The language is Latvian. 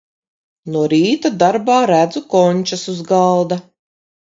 No rīta darbā redzu končas uz galda.